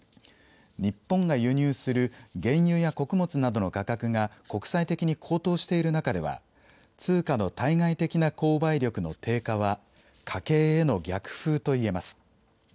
日本が輸入する原油や穀物などの価格が国際的に高騰している中では、通貨の対外的な購買力の低下は家計への逆風といえます。